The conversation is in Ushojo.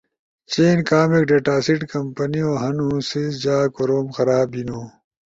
چین کامک ڈیٹا سیٹ کمپنو ہنُو، سی جا کوروم خراب بیِنو۔